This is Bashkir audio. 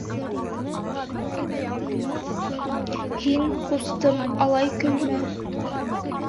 Һин, ҡустым, алай көлмә.